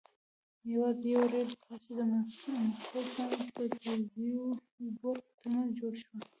یوازې یوه رېل کرښه د مسکو سن پټزربورګ ترمنځ جوړه شوه.